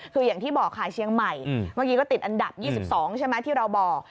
คืออย่างที่บอกค่ะเชียงใหม่เมื่อกี้ก็ติดอันดับ๒๒ใช่ไหมที่เราบอก